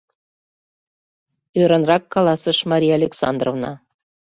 — ӧрынрак каласыш Мария Александровна.